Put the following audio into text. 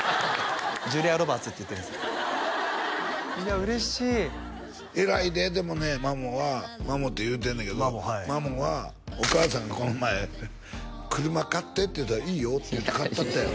ジュリア・ロバーツって言ってるんですいや嬉しい偉いででもねマモはマモって言うてんねんけどマモはお母さんがこの前「車買って」って言うたら「いいよ」って言うて買ってやったやろ？